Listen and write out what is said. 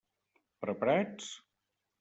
Preparats?